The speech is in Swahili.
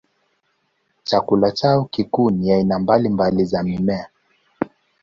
Chakula chao kikuu ni aina mbalimbali za mimea.